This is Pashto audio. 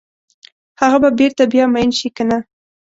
هغه به بیرته بیا میین شي کنه؟